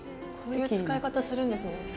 こういう使い方するんですね。